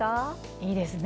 いいですね。